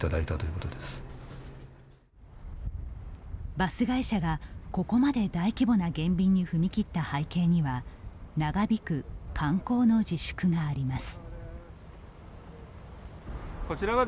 バス会社がここまで大規模な減便に踏み切った背景には長引く観光の自粛があります。